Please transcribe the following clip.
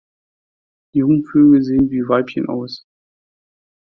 Jungvögel sehen wie Weibchen aus.